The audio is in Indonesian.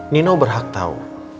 nino berhak tahu